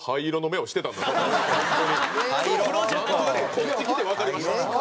こっち来てわかりました。